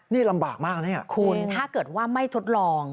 นี่ลำบากมากนะเนี่ยคุณถ้าเกิดว่าไม่ทดลอง